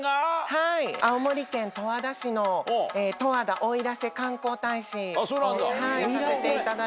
はい青森県十和田市の十和田奥入瀬観光大使をさせていただいてる。